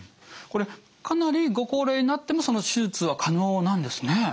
これかなりご高齢になっても手術は可能なんですね。